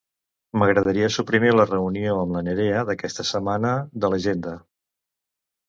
M'agradaria suprimir la reunió amb la Nerea d'aquesta setmana de l'agenda.